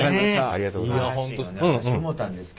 ありがとうございます。